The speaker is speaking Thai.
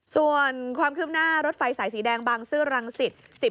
ส่วนความคืบหน้ารถไฟสายสีแดงบางซื่อรังสิต